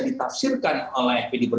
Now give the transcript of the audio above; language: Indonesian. ditafsirkan oleh pdip